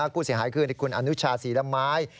ผู้เสียหายคือคุณอนุชาศรีละไม้